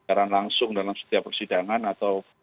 secara langsung dalam setiap persidangan atau